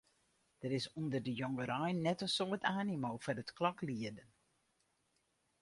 Der is ûnder de jongerein net in soad animo foar it kloklieden.